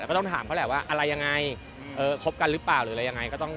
ก็ต้องถามเขาแหละว่าอะไรยังไงคบกันหรือเปล่าหรืออะไรยังไงก็ต้อง